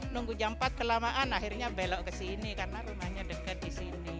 nunggu jam empat kelamaan akhirnya belok kesini karena rumahnya dekat disini